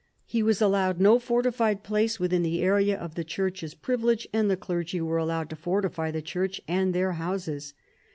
He was allowed no fortified place within the area of the church's privi lege, and the clergy were allowed to fortify the church and their houses.